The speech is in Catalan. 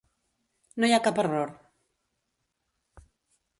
No hi ha cap error.